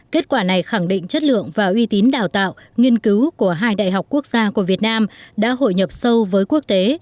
kết quả này khẳng định chất lượng và uy tín đào tạo nghiên cứu của hai đại học quốc gia của việt nam đã hội nhập sâu với quốc tế